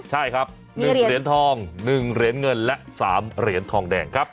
ใช่ครับ๑เหรียญทอง๑เหรียญเงินและ๓เหรียญทองแดงครับ